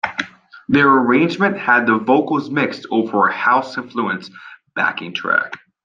Their arrangement had the vocals mixed over a House-influenced backing track.